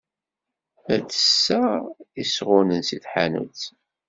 La d-tessaɣ isɣunen seg tḥanut.